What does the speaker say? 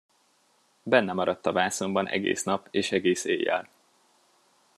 Benne maradt a vászonban egész nap és egész éjjel.